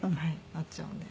なっちゃうんで。